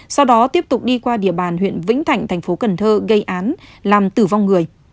sau đó tiếp tục đi qua địa bàn huyện vĩnh thạnh thành phố cần thơ gây án làm tử vong người